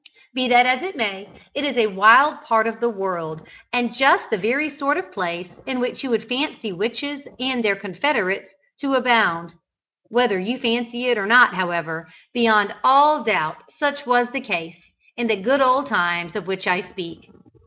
Be that as it may, it is a wild part of the world, and just the very sort of place in which you would fancy witches and their confederates to abound. Whether you fancy it or not, however, beyond all doubt such was the case, in the good old times of which I speak.